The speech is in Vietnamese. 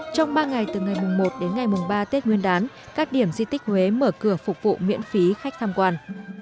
trong ba ngày từ ngày mùng một đến ngày mùng ba tết nguyên đán các điểm di tích huế mở cửa phục vụ miễn phí khách tham quan